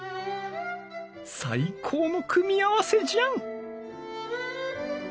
最高の組み合わせじゃん！